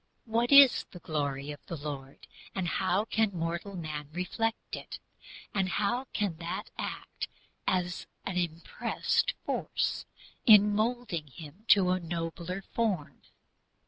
What is the "glory" of the Lord, and how can mortal man reflect it, and how can that act as an "impressed force" in moulding him to a nobler form?